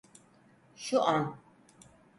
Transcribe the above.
Şu an!